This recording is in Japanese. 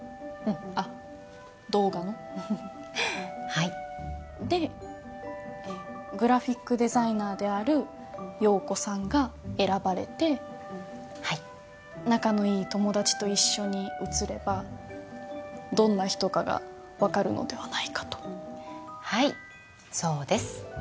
うんあっ動画のはいでグラフィックデザイナーである葉子さんが選ばれてはい仲のいい友達と一緒に写ればどんな人かが分かるのではないかとはいそうです